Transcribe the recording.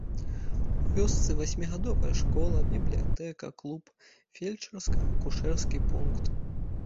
У вёсцы васьмігадовая школа, бібліятэка, клуб, фельчарска-акушэрскі пункт.